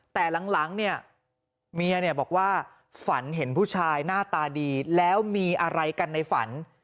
แต่หลังเนี่ยเมียเนี่ยบอกว่าฝันเห็นผู้ชายหน้าตาดีแล้วมีอะไรกันในฝัน